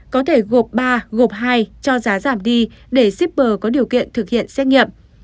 có thể gộp ba gộp hai cho giá giảm đi để shipper có điều kiện thực hiện xét nghiệm